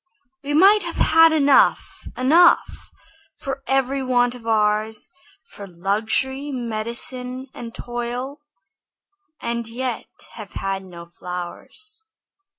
We might have had enough, enough For every want of ours, For luxury, medicine, and toil, And yet have had no flowers.